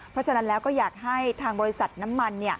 เพราะฉะนั้นแล้วก็อยากให้ทางบริษัทน้ำมัน